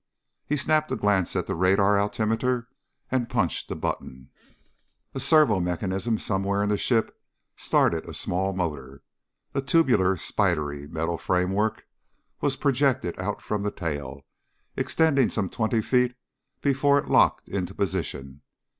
He snapped a glance at the radar altimeter and punched a button. A servo mechanism somewhere in the ship started a small motor. A tubular spidery metal framework was projected out from the tail, extending some twenty feet before it locked into position.